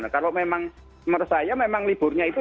kalau memang menurut saya memang liburnya itu